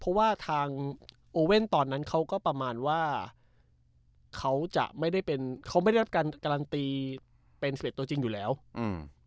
เพราะว่าทางโอเว่นตอนนั้นเขาก็ประมาณว่าเขาจะไม่ได้เป็นเขาไม่ได้รับการการันตีเป็นเฟสตัวจริงอยู่แล้วอืม